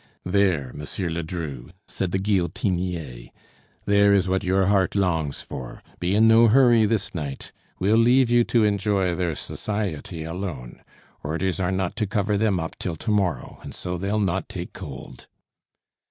"There, M. Ledru," said the guillotinier; "there is what your heart longs for! Be in no hurry this night! We'll leave you to enjoy their society alone. Orders are not to cover them up till to morrow, and so they'll not take cold."